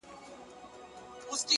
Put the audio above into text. تا ويل له سره ماله تېره يم خو’